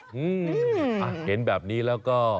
อืมอ่ะเห็นแบบนี้แล้วก็